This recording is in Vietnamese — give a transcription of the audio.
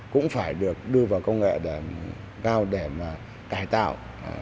cũng phải được đưa vào công nghệ cao để mà cài tạo